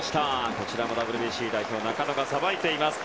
こちらもＷＢＣ代表中野がさばいています。